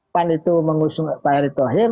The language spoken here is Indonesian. pan itu mengusung pak erie tohir